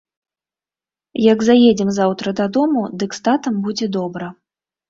Як заедзем заўтра дадому, дык з татам будзе добра.